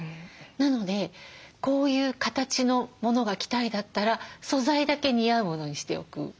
なのでこういう形のものが着たいだったら素材だけ似合うものにしておく。